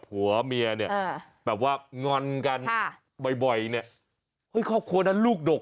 ผัวเมียเนี่ยแบบว่างอนกันบ่อยเนี่ยเฮ้ยครอบครัวนั้นลูกดก